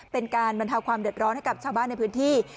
เป็นการบรรเทาความเดือดร้อนให้กับชาวบ้านในพื้นที่